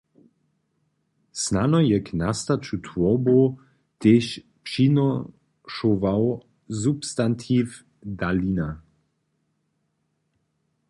Snano je k nastaću twórbow tež přinošował substantiw dalina.